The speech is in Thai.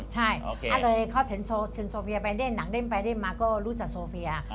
ใช่ก็เลยเข้าถึงโซเฟียไปเล่นหนังเล่นไปเล่นมาก็รู้จักโซเฟีย